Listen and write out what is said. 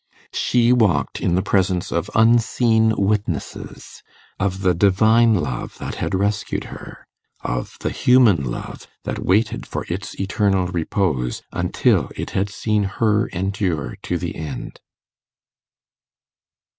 She walked in the presence of unseen witnesses of the Divine love that had rescued her, of the human love that waited for its eternal repose until it had seen her endure to the end.